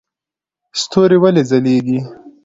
ستوري ولې ځلیږي؟